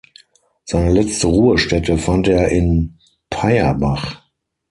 Seine letzte Ruhestätte fand er in Payerbach.